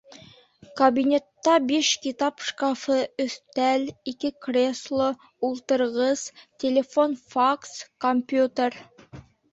Кабинетта биш китап шкафы, өҫтәл, ике кресло, ултырғыс, телефон-факс, компьютер